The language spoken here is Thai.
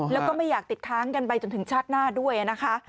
แล้วก็ไม่อยากติดค้างกันไปจนถึงชาติหน้าด้วยนะคะ